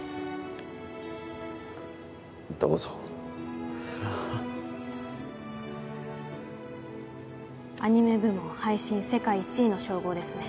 どうぞああアニメ部門配信世界一の称号ですね